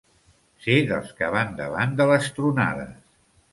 Ser dels que van davant de les tronades.